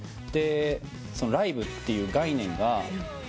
ライブという概念が。